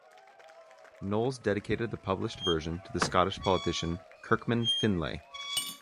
Knowles dedicated the published version to the Scottish politician Kirkman Finlay.